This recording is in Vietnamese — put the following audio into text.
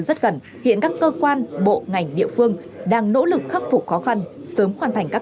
rất gần hiện các cơ quan bộ ngành địa phương đang nỗ lực khắc phục khó khăn sớm hoàn thành các